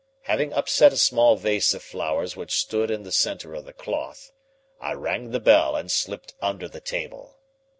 Having upset a small vase of flowers which stood in the centre of the cloth, I rang the bell and slipped under the table.